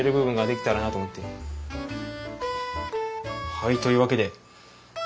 はいというわけで。